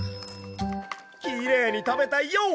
きれいにたべたＹＯ！